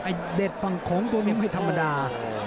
ไอเด็ดฟังโขมตัวเนี่ยไม่ธรรมดา